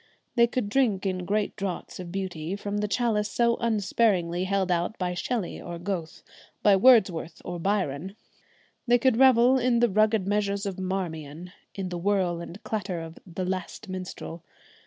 They could drink in great draughts of beauty from the chalice so unsparingly held out by Shelley or Goethe, by Wordsworth or Byron. They could revel in the rugged measures of 'Marmion,' in the whirl and clatter of the 'Last Minstrel.'